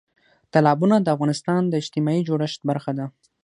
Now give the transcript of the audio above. تالابونه د افغانستان د اجتماعي جوړښت برخه ده.